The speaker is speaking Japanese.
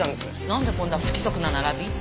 なんでこんな不規則な並び？